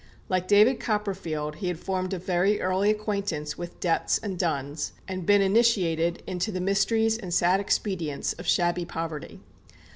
Like David Copperfield, he had formed a very early acquaintance with debts and duns, and been initiated into the mysteries and sad expedients of shabby poverty.